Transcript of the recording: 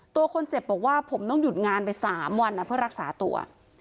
ตัวคนเจ็บบอกว่าผมต้องหยุดงานไป๓วันเพื่อรักษาตัว